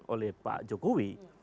oleh pak jokowi